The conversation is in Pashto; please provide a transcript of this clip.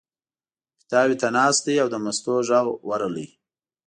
پیتاوي ته ناست دی او د مستو غږ ورغی.